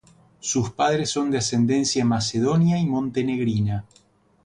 Sus padres son de ascendencia macedonia y montenegrina.